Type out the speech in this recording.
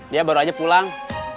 dia baru aja pulang